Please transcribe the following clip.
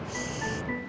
bisa bang ojak